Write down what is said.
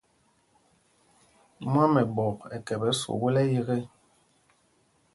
Mwamɛɓɔk ɛ kɛpɛ sukûl ɛyeke.